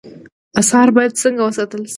آثار باید څنګه وساتل شي؟